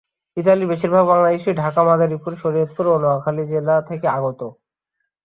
ইতালির বেশিরভাগ বাংলাদেশী ঢাকা, মাদারীপুর, শরীয়তপুর ও নোয়াখালী জেলা থেকে আগত।